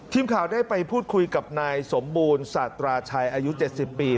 ทีมข่าวได้ไปพูดคุยกับนายสมบูรณ์สาธาราชัยอายุ๗๐ปี